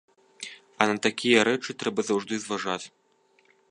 А на такія рэчы трэба заўжды зважаць.